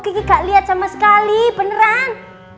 kiki gak liat sama sekali beneran